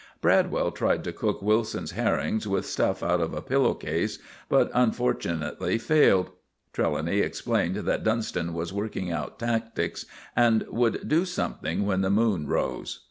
Bradwell tried to cook Wilson's herrings with stuff out of a pillow case, but unfortunately failed. Trelawny explained that Dunston was working out tactics, and would do something when the moon rose.